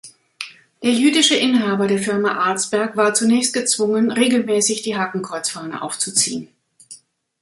Der jüdische Inhaber der Firma Alsberg war zunächst gezwungen, regelmäßig die Hakenkreuzfahne aufzuziehen.